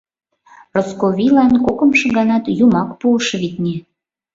Росковийлан кокымшо ганат Юмак пуыш, витне.